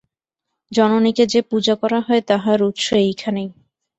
জননীকে যে পূজা করা হয়, তাহার উৎস এইখানেই।